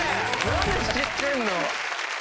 何で知ってるの？